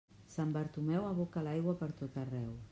Sant Bartomeu aboca l'aigua pertot arreu.